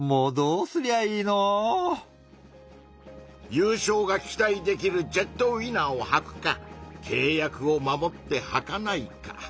ゆうしょうが期待できるジェットウィナーをはくかけい約を守ってはかないか。